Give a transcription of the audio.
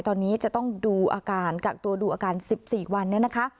ตอนนี้จะต้องดูอาการกักตัวดูอาการ๑๔วันเนี่ยนะคะ